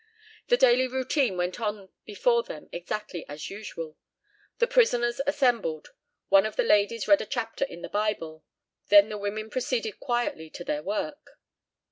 The daily routine went on before them exactly as usual. The prisoners assembled; one of the ladies read a chapter in the Bible, then the women proceeded quietly to their work.